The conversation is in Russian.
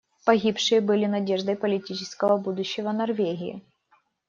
Погибшие были надеждой политического будущего Норвегии.